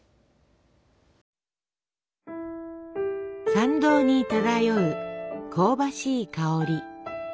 参道に漂う香ばしい香り。